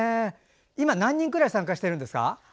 今、何人くらい参加しているんですか？